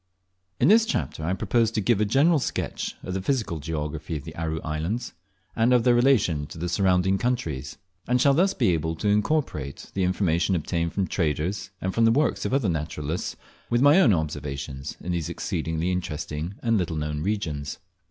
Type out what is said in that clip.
IN this chapter I propose to give a general sketch of the physical geography of the Aru Islands, and of their relation to the surrounding countries; and shall thus be able to incorporate the information obtained from traders, and from the works of other naturalists with my own observations in these exceedingly interesting and little known regions.